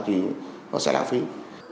thì nó sẽ là phim